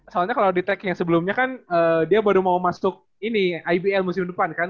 soalnya kalau di tacking yang sebelumnya kan dia baru mau masuk ini ibl musim depan kan